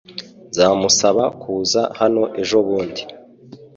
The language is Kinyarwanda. Nzamusaba kuza hano ejobundi